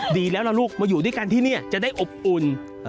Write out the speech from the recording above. ดีแล้วล่ะลูกมาอยู่ด้วยกันที่นี่จะได้อบอุ่น